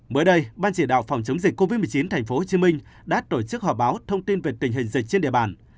mới đây ban chỉ đạo phòng chống dịch covid một mươi chín tp hcm đã tổ chức họp báo thông tin về tình hình dịch trên địa bàn